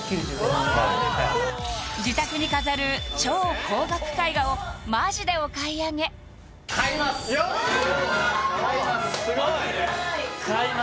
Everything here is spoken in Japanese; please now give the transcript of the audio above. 自宅に飾る超高額絵画をマジでお買い上げよし！